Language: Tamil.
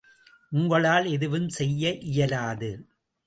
உங்களால் எதுவும் செய்ய இயலாது.